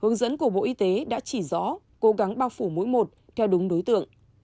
hướng dẫn của bộ y tế đã chỉ rõ cố gắng bao phủ mỗi một theo đúng đối tượng